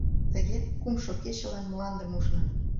Тыге, кумшо кечылан мландым ужна.